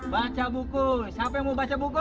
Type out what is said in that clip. baca buku siapa yang mau baca buku